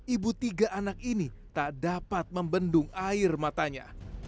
ibu tiga anak ini tak dapat membendung air matanya